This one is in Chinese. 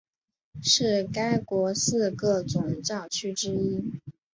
是该国十四个总教区之一。